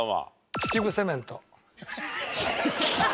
秩父セメント。